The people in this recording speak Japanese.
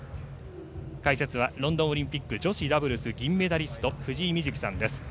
開設はロンドンオリンピック女子ダブルス銀メダリスト藤井瑞希さんです。